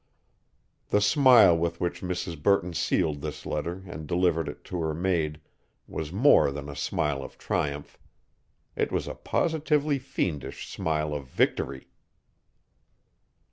The smile with which Mrs. Burton sealed this letter and delivered it to her maid was more than a smile of triumph. It was a positively fiendish smile of victory.